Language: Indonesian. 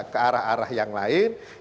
kearah arah yang berlaku itu adalah